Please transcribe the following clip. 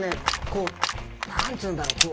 こう何て言うんだろう